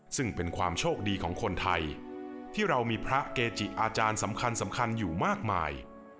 ซึ่งเป็นความโชคดีของคนไทยที่เรามีพระเกจิอาจารย์สำคัญสำคัญอยู่มากมาย